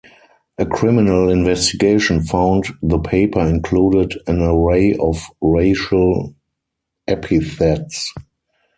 A criminal investigation found the paper included an array of racial epithets.